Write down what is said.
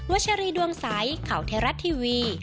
วัชรีดวงใสข่าวเทรัตน์ทีวีรายงาน